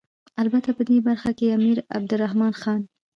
البته په دې برخه کې امیر عبدالرحمن خان.